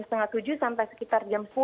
setengah tujuh sampai sekitar jam sepuluh